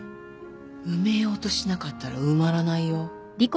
埋めようとしなかったら埋まらないよ。